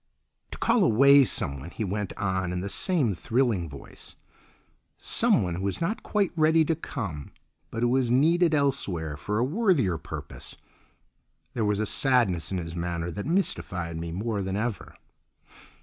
"To call away someone," he went on in the same thrilling voice, "someone who is not quite ready to come, but who is needed elsewhere for a worthier purpose." There was a sadness in his manner that mystified me more than ever.